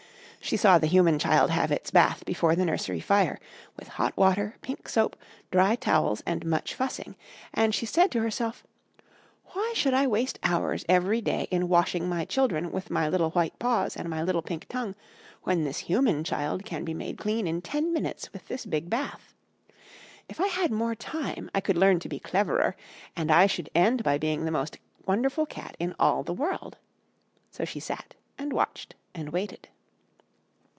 "She saw the human child have its bath before the nursery fire, with hot water, pink soap, dry towels, and much fussing, and she said to herself, 'Why should I waste hours every day in washing my children with my little white paws and my little pink tongue, when this human child can be made clean in ten minutes with this big bath. If I had more time I could learn to be cleverer, and I should end by being the most wonderful Cat in all the world.' So she sat, and watched, and waited.